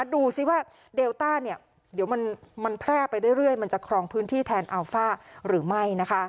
ดูสิว่าเดลต้าเดี๋ยวมันแพร่ไปเรื่อยมันจะครองพื้นที่แทนอัลฟ่าหรือไม่